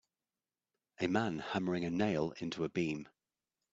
A man hammering a nail into a beam.